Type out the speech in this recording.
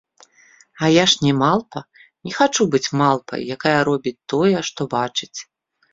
А я ж не малпа, не хачу быць малпай, якая робіць тое, што бачыць.